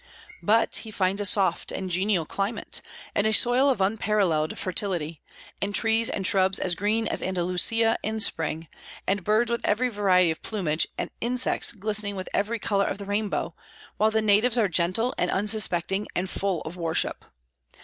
But he finds a soft and genial climate, and a soil of unparalleled fertility, and trees and shrubs as green as Andalusia in spring, and birds with every variety of plumage, and insects glistening with every color of the rainbow; while the natives are gentle and unsuspecting and full of worship.